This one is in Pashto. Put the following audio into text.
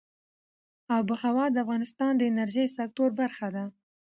آب وهوا د افغانستان د انرژۍ سکتور برخه ده.